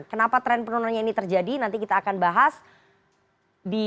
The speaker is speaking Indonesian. kenapa tren penurunannya ini terjadi nanti kita akan bahas di